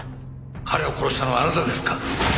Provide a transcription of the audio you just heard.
彼を殺したのはあなたですか？